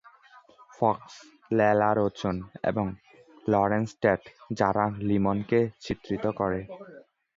Fox, Lela Rochon এবং Larenz Tate, যারা লিমনকে চিত্রিত করে।